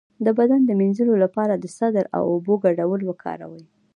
د بدن د مینځلو لپاره د سدر او اوبو ګډول وکاروئ